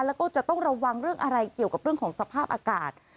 แล้วก็จะต้องระวังเรื่องอะไรเกี่ยวกับเรื่องของสภาพอากาศ